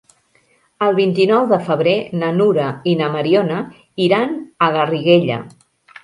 El vint-i-nou de febrer na Nura i na Mariona iran a Garriguella.